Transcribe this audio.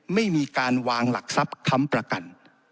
ไม่มีการวางหลักทรัพย์ค้ำประกัน